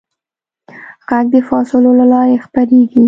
غږ د فاصلو له لارې خپرېږي.